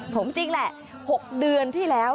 ผมจริงแหละ๖เดือนที่แล้ว